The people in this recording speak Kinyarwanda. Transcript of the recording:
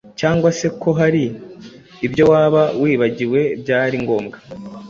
cyangwa se ko hari ibyo waba wibagiwe byari ngombwa.